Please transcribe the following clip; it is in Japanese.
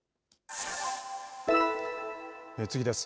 次です。